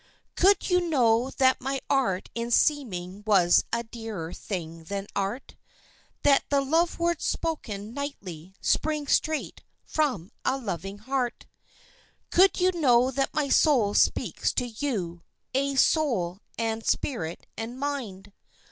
_" Could you know that my art in seeming was a dearer thing than art, That the love words spoken nightly spring straight from a loving heart; Could you know that my soul speaks to you aye soul and spirit and mind!